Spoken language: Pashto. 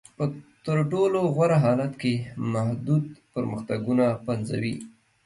په تر ټولو غوره حالت کې محدود پرمختګونه پنځوي.